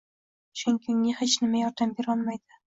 Chunki unga hech kim yordam berolmaydi.